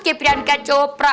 kayak priyanka chopra